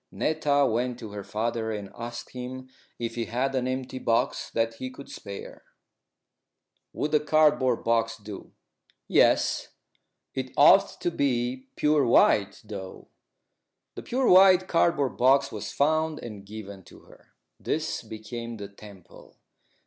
Netta went to her father and asked him if he had an empty box that he could spare. "Would a cardboard box do?" "Yes. It ought to be pure white, though." The pure white cardboard box was found and given to her. This became the temple.